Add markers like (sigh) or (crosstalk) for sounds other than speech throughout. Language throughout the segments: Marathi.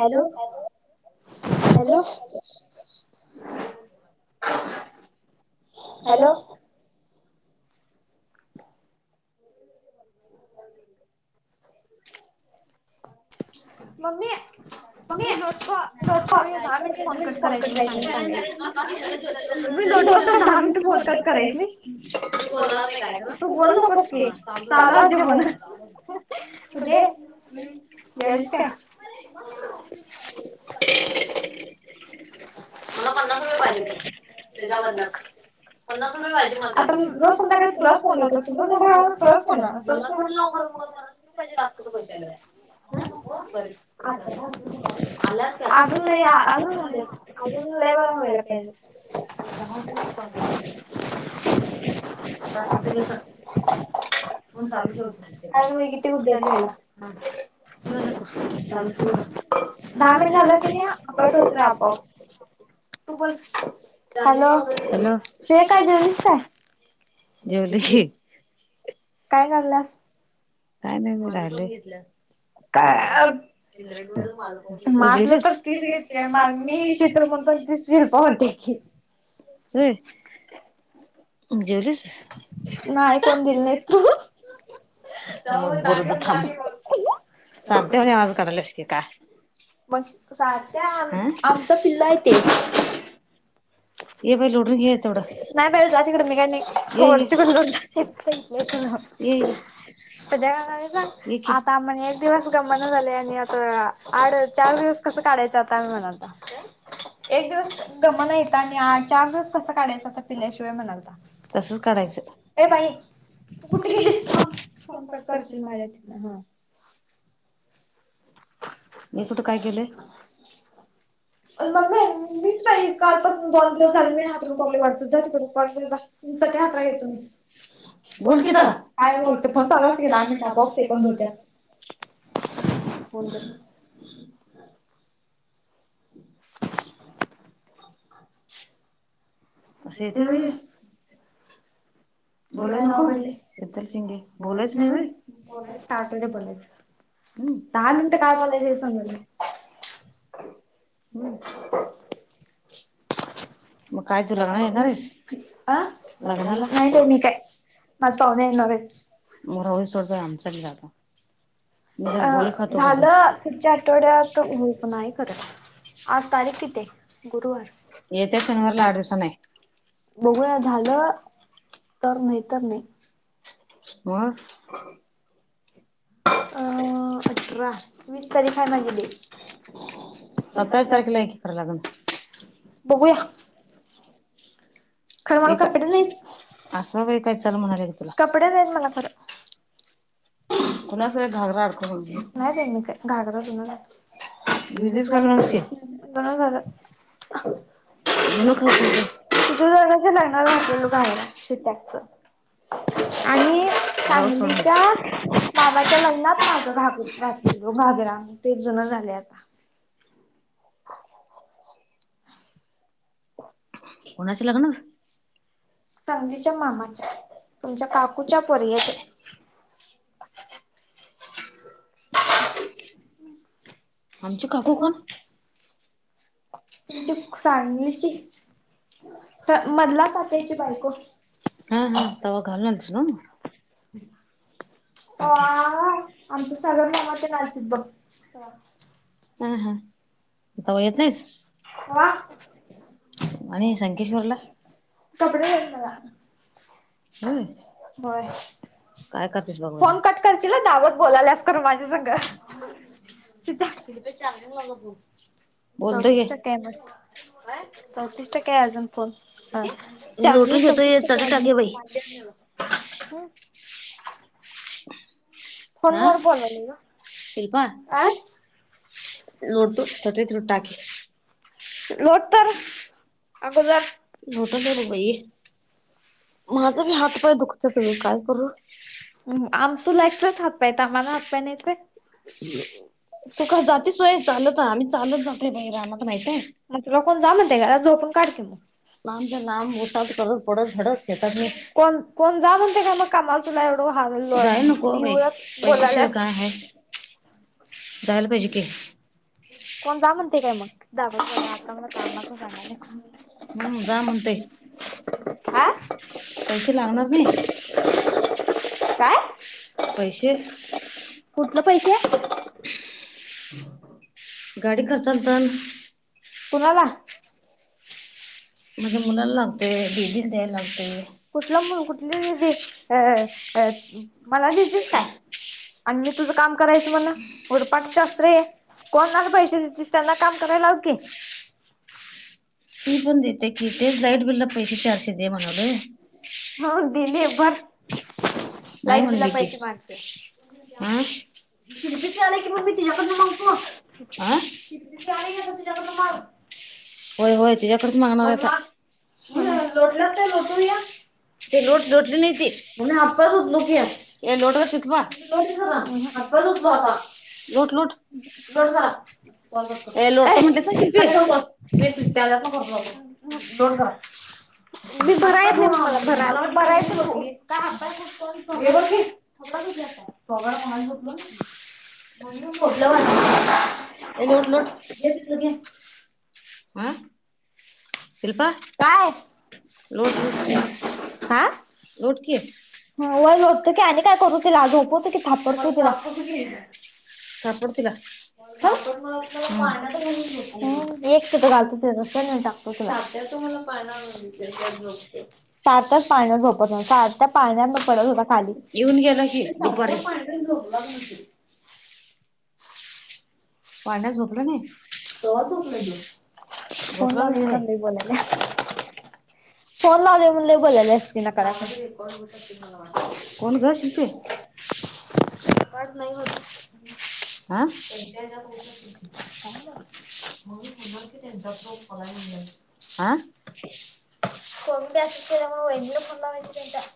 हॅलो हॅलो हॅलो मम्मीमी मी लोटतो खर दहा मिनट फोनकट करायच मी सांग मी लोटतो दहा मिनट फोनकट करायच म तू बोल नकोस की चालू असू दे फोन तु दे केवलीस का (inaudible) ह (inaudible) म पन्नास रुपयेज त्या बद पन्नास रुपयेज आता मी तुझमा का तुझव झार (unintelligible) अ अ (unintelligible) अजून लेबला वयला पाहिजेचा कायगितीड्डला चाल (unintelligible) दहा मिनिट झालं की नाही, कट होतय आपोआप. तू हॅलो श काय जेव का जेवली (unintelligible) कायनला (unintelligible) काय नाही मुला. (unintelligible) काय अ (unintelligible) तू जेवलीस (unintelligible) (inaudible) जेवलीस नाही कोण दिल नाही तू (unintelligible) मग सार्थ्य आमचा पिल्ला आहे ते नाही बाई जा तिकड मी काय नाई (unintelligible) आता म्हणे एक दिवस गमना झालय आणि आता आड चार दिवस कसं काढायचं आता आम्ही म्हणालता एक दिवस गमना हित आण हा चार दिवस कस कडायचं आता पिल्याशिवाय म्हणालता ये बाई तू कुठं गेलीस थांब फोन कट करशील माझा तिथं हा मी कुठ काय केलंय मम्मे मीच बाई काल पाासन दोन दिवस झाले मी हातरून कडलोय वाटत जा तिकडं काड जा जा मी चाटई हातराय घेतो बोल की तर काय बोलकी फोन चालू असतोय कि दहा मिनट आपोआप सेकंद होत्यात. (unintelligible) (inaudible) (inaudible) अस येतंय होय हे बोलाय नको शीतल शिंदे बोलायचं नाय होय (unintelligible) (unintelligible) आ लग्नाला नाही बाई मी काय आज पाहुणे येणारेत म राहूदे सोड बाई आमच आमी जातो. अ झालं पुढच्या आठवड्यात होईप नाही खर आज तारीख कितिये गुरुवार (unintelligible) त्या शनवारला आड दिवसांनाय बघूया झालं तर नाहीतर नाई. मग अ अठरा वीस तारीख हाय माझी डेट (unintelligible) बघुया एका खरं मला कपडे नाईत असं वय काय चल म्हणालोय कि तुला. (unintelligible) नाही बाई मी काय घागरा जुनं झालं (unintelligible) जुनं झालं विजू दादाच्या लग्नाला घातलेलो घागरा शित्याच आणि सांगलीच्या बाबाच्या लग्नात माझ घातलेलं घागरा ते जुन झालय आता. (inaudible) कुणाचं लग्न सांगलीच्या मामाच्या तुमच्या काकूच्या पोरग्याचा आमची काकू कोण? तुमची चांदणीची मंदा काका ची बायको हा हा तवा घालून आलतीस नव (unintelligible) (unintelligible) व्हय. फोन कट करशीला, दावत बोलायल्यास माझ्या संग. (unintelligible) चौतीस टक्के आहे मस्त. वय, चोतीस टक्के आहे फोन. हा. चार्जिंग चौतीस टक्के (unintelligible) (unintelligible) हं फोनवर बोलायल लागलंय ग, अ (unintelligible) लोट तर. अगुझ (unintelligible) लोटत नाही. (unintelligible) माझा बी हात पय दुखत मी काय करू? आम तो ला एकलाच हात पाय, आम्हाला हात पाय नाहीत व्हय. (inaudible) तू का जातीस वय चालत, आम्ही चालत जातुय बाय रानात माहीतय, रामच नाम घेत होटात पडत झडत शेतात नी. (unintelligible) हारलोय मी इवळच बोलाल्यास दाल भजी के कोण जा म्हणतय का मग (unintelligible) हमम, जा म्हणतय पैसे लागणार नाही? काय? पैसे ह गाडी चलतात पुणाला म्हणजे मुला लागते बीदी दे लागते कुठलं मूल कुठली दे अ मला देतस काय आणि मी तुझं काम करायचं मला वरपाटशास्त्र आहे कोणाला पैसे दतीस त्यांना काम करायला हव की की बंद येते कीटे लाईट बिल पैसेचारस द्या मणार म दिन एक बर लाईट बिला पैसे मडते शिल्पीचे आले कि मी तिच्याकडून सांगतो (unintelligible) ती आल्या की आता तिच्याकडून माग. होय होय तुझ्याकडेच मागणार आता. लोटलंचं नाही लोटूया. ते लोट लोटली नाही ती लोटवर शितपा. (unintelligible) लोट जरा. लोट ग मी भरायला येत नाही म मला. भरायला भरायचं का लोटतो आणि हे बघ खटता बगड म झटल ना म्हटलं. ए लोट लोट शिल्पा लोट लोट लोट कि लोटतो की आणि काय करू तला झोपवत की थापडत. थापट. पाळण्यात घालून झोका देतो की. एक तालतो टाकतो तु सातच पा झत सात्या पाण्यात पडत हो. (unintelligible) (unintelligible) पाळण्यात झोपलं नाही झोपलं (inaudible) फोन लावले म्हणून लय बोलाल्यास. (unintelligible) पड नाही होत. आं. (unintelligible) आा! कोनी असकेल्यामुळे वहिनीला फोन लावायचं नाही काय.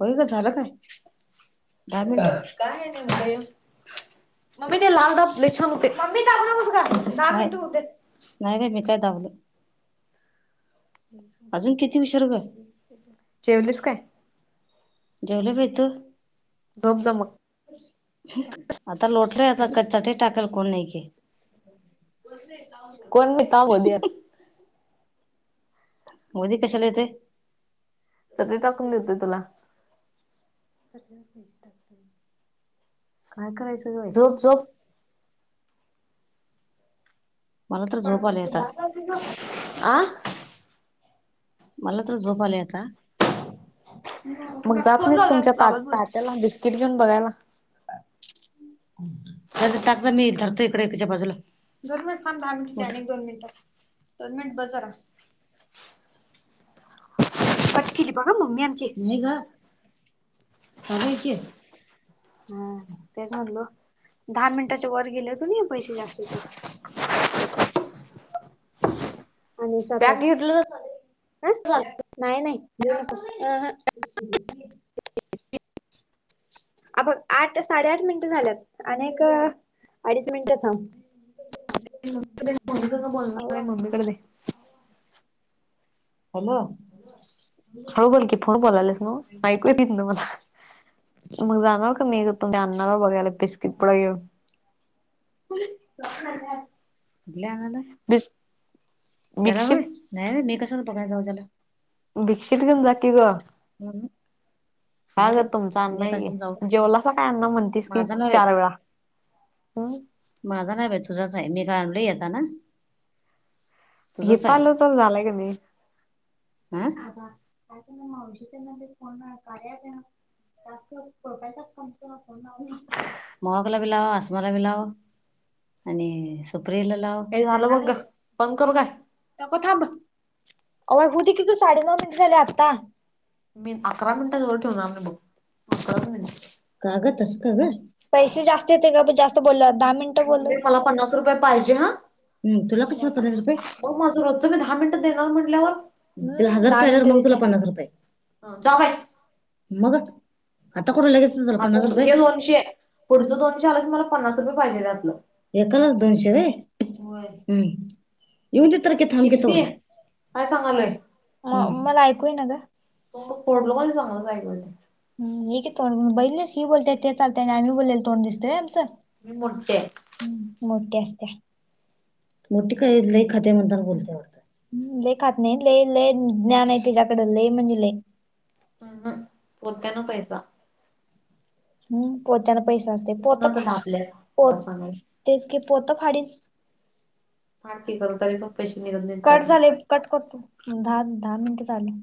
होय ग झालं काय. काय हाय नेमक हे. मम्मी ते लाल दब. ले छान होते मम्मी दाबु नकोस ग दहा मिनट होते. अजून किती विसर ग जेवलं बाई तु आता लोटल आता चटइ टाकाय कोण नाही. (unintelligible) कोण म ओ मोदी कशाला येतोय. तर ते टाकून देतोय तुला. (unintelligible) काय करायचं ग बाई. आ. मला तर झोप आल्या आता. फोन लावल्यावर दाबात बोलतेस की. टाकजा मी धरतो इकड एकाच्या बाजूला. दोन मिनिट थांब दहा मिनट. दोन मिनिट. दोन मिनिट बस जरा. कट केली बघ मम्मी आमची. नाही ग चालू हाय की तेच म्हणलो. दहा मिनिटाच्या वर गेल कनी पैसे जास्त येतात. आणि सात-आठ. हं. नाही-नाही घेवू नकोस. अबघ आठ ते साडेआठ मिनिटं झाल्यात. अनेक अडीच मिनिटं थांब. मम्मी-मम्मी संघ बोलणार आहे मम्मी कडे दे. हॅलो. हळू बोल की. फोनवर बोलालेस नव्ह ऐकू येतय की मला मग जाणार का नाहीं ग. तुमच्या आण्णाला बघायला बिस्किट पुडा घेवुन. कुठल्या आण्णाला. त्याला होय. नाही बाई मी कशाला. बघाय जाऊ त्याला. बिस्किट घेऊन जा की ग. का ग तुमचा अण्णा हाय की जेवलासा काय अण्णा म्हणतीस कि चार वेळा. हम्. माझा नाही बाई तुझाच हाय. मी काय आणलोय येता ना. हित आल्यावर तर झालंय काय नाही. आ. मावशीतेना कार्या ॲपचा प्रोफाइल टॅक्स कम्प्लीट करा (unintelligible) आणि. फ्रीजला लाव. नको थांब. अवा हुती. ति की ग साडेनऊ मिनिट झाले आता. मी अकरा मिनटाच्या वर ठेवनार बघ. का ग. तस का ग. पैसे जास्त येत ग जास्त बोलल्यावर दहा मिनट बोल तुला कशाला पन्नास रुपये. देनार म्हटल्यावर तीला हजार आल्यावर मग तुला पन्नास रुपये. मग आता कुठे लगेच पन्नास रुपये, एकालाच दोनशे व्हय? होय. इऊन इ तर के थांमकीे तो ह मला ऐकूय ना ग तो मग फोडलो सांग जायकते हम हे की तोंड बैलेस ह बोलताय ते चालतय आणि आम्ही बोललेला तोंड दिसतय आमचं ह् मोठ्या असत्या मोठी काही ले खाते म्हणताना बोलतेत ले खात नाही ले ले ज्ञान आहे तिच्याकड ले म्हणजे ले त्याना पाहिज हम्म पोत्यांना पैसा असते पोत फ पोत तेच की पोत फाडी कट झाले कट करतो दहा दहा मिनटे झाले